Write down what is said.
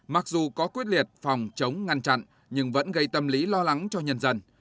mặc dù có quyết liệt phòng chống ngăn chặn nhưng vẫn gây tâm lý lo lắng cho nhân dân